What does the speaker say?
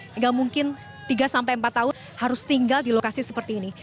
tinggal mungkin tiga sampai empat tahun harus tinggal di lokasi seperti ini